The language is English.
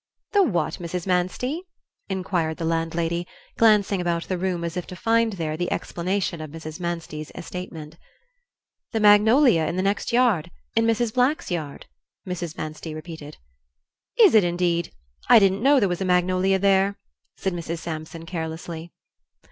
"The what, Mrs. Manstey?" inquired the landlady, glancing about the room as if to find there the explanation of Mrs. Manstey's statement. "The magnolia in the next yard in Mrs. Black's yard," Mrs. Manstey repeated. "Is it, indeed? I didn't know there was a magnolia there," said Mrs. Sampson, carelessly.